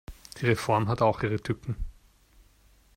Die Reform hat auch ihre Tücken.